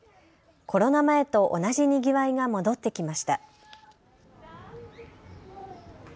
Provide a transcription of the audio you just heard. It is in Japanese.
コロナ前と同じにぎわいが戻ってきました。